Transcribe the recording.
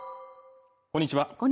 こんにちは